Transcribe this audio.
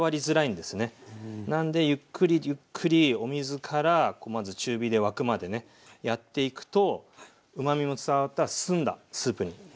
なんでゆっくりゆっくりお水からまず中火で沸くまでねやっていくとうまみも伝わった澄んだスープに仕上がっていきます。